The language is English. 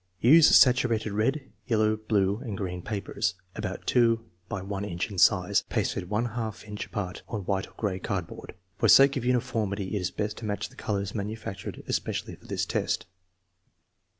Use saturated red, yellow, blue, and green papers, about 2X1 inch in size, pasted one half inch apart on white or gray cardboard. For sake of uniformity it is best to match the colors manufactured especially for this test.